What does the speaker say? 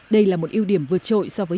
đây là một ưu điểm vượt trội so với